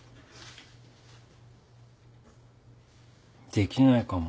できないかも。